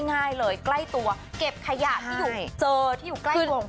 ง่ายเลยใกล้ตัวเก็บขยะที่อยู่เจอที่อยู่ใกล้กว่าของคุณก่อนเลย